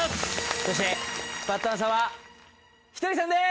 そしてバッドアンサーはひとりさんです！